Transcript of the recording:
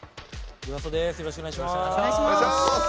よろしくお願いします。